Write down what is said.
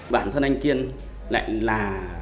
bản thân anh kiên lại là